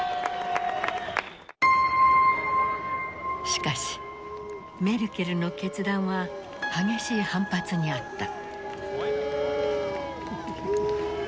しかしメルケルの決断は激しい反発にあった。